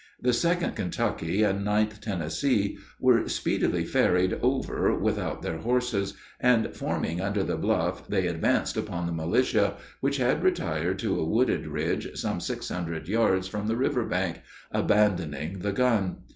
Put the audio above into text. The 2d Kentucky and 9th Tennessee were speedily ferried over without their horses, and forming under the bluff they advanced upon the militia, which had retired to a wooded ridge some six hundred yards from the river bank, abandoning the gun.